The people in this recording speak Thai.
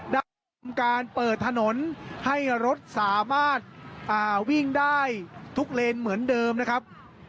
ได้ทำการเปิดถนนให้รถสามารถวิ่งได้ทุกเลนเหมือนเดิมนะครับ